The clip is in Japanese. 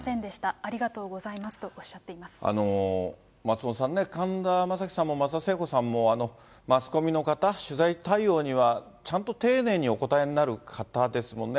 ありがとうございますとおっしゃ松本さんね、神田正輝さんも松田聖子さんも、マスコミの方、取材対応には、ちゃんと丁寧にお答えになる方ですもんね。